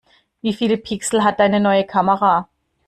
Wie viele Pixel hat deine neue Kamera?